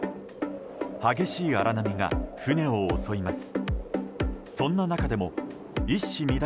激しい荒波が船を襲います。